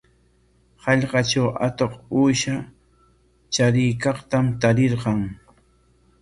Hallqatraw atuq uusha chariykaqtam tarirqan.